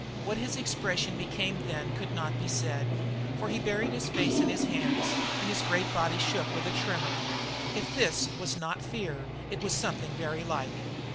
What his expression became then could not be said, for he buried his face in his hands and his great body shook with a tremor. If this was not fear it was something very like.